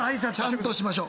ちゃんとしましょう。